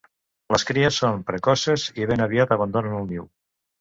Les cries són precoces i ben aviat abandonen el niu.